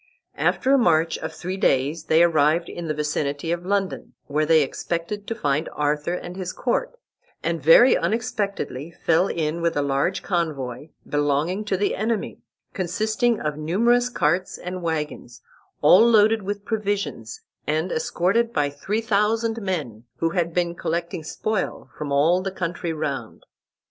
After a march of three days they arrived in the vicinity of London, where they expected to find Arthur and his court, and very unexpectedly fell in with a large convoy belonging to the enemy, consisting of numerous carts and wagons, all loaded with provisions, and escorted by three thousand men, who had been collecting spoil from all the country round.